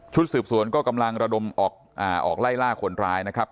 สืบสวนก็กำลังระดมออกไล่ล่าคนร้ายนะครับ